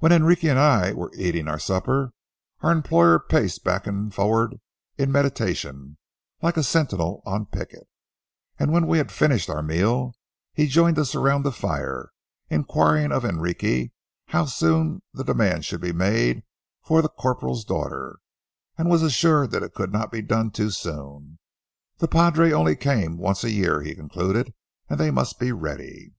While Enrique and I were eating our supper, our employer paced backward and forward in meditation like a sentinel on picket, and when we had finished our meal, he joined us around the fire, inquiring of Enrique how soon the demand should be made for the corporal's daughter, and was assured that it could not be done too soon. "The padre only came once a year," he concluded, "and they must be ready."